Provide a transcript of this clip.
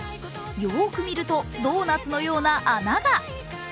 よーく見るとドーナツのような穴が。